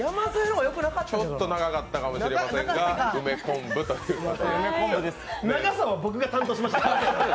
ちょっと長かったかもしれませんが長さは僕が担当しました。